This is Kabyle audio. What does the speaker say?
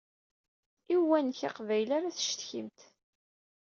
I uwanek aqbayli ara tcetkimt.